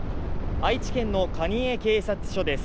愛知県の蟹江警察署です